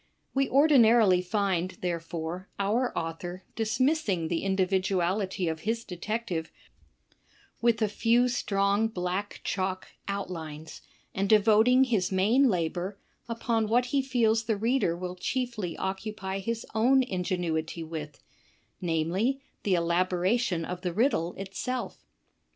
We ordinarily find, therefore, our author dismissing the individuality of his detective with a few strong black chalk outlines, and devot ing his main labor upon what he feels the reader will chiefly occupy his own ingenuity with, — namely, the elaboration of the riddle itself.